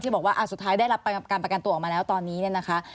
บอกว่าสุดท้ายได้รับการประกันตัวออกมาแล้วตอนนี้เนี่ยนะคะ